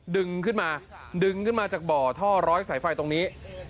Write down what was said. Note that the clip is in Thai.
ดึงขึ้นมาดึงขึ้นมาจากบ่อท่อร้อยสายไฟตรงนี้